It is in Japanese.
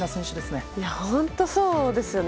本当そうですね。